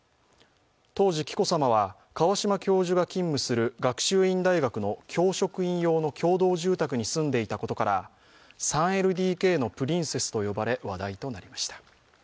当時、紀子さまは川嶋教授が勤務する学習院大学の教職員用の共同住宅に住んでいたことから３ＬＤＫのプリンセスと呼ばれ話題となりました。